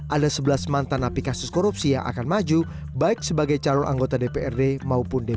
ada sebelas mantan napi kasus korupsi yang akan maju baik sebagai calon anggota dprd maupun dpd